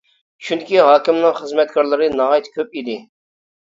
چۈنكى ھاكىمنىڭ خىزمەتكارلىرى ناھايىتى كۆپ ئىدى.